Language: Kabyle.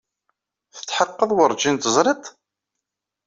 Tetḥeqqeḍ werjin teẓriḍ-t?